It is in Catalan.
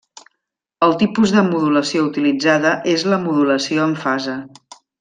El tipus de modulació utilitzada és la modulació en fase.